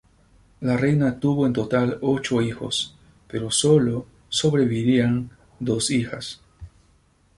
La reina tuvo en total ocho hijos, pero sólo sobrevivirían dos hijas.